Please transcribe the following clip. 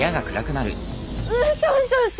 うそうそうそ！